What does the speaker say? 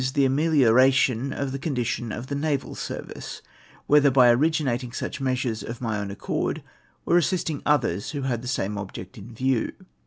the amelioration of tlie condition of the naval service ; whether by originating such measures of my own accord, or assisting others who had tlie same object in view.